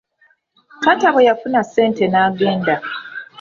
Taata bwe yafuna ssente n'agenda.